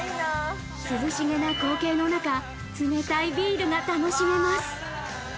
涼しげな光景の中、冷たいビールが楽しめます。